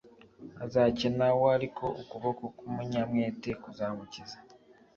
Azakena w ariko ukuboko k umunyamwete kuzamukiza